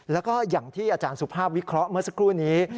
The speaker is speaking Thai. แล้วก็อย่างที่อาจารย์สุภาพวิเคราะห์เมื่อสักครู่นี้